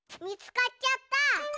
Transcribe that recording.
みつかっちゃった。